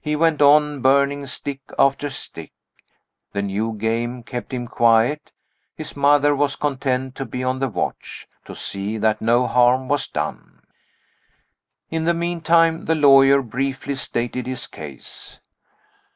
He went on burning stick after stick. The new game kept him quiet: his mother was content to be on the watch, to see that no harm was done. In the meantime, the lawyer briefly stated his case.